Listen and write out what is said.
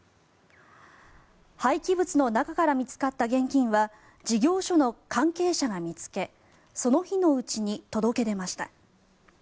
廃棄物の中から見つかった現金は事業所の関係者が見つけその日のうちに届け出ました。